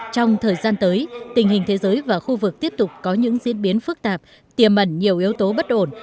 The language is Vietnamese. trong thời gian tới tình hình thế giới và khu vực tiếp tục có những diễn biến phức tạp tiềm mẩn nhiều yếu tố bất ổn